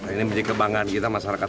ini menjadi kebanggaan kita masyarakat